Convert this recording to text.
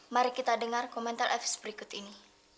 mari kita dengar komentar epice berikut ini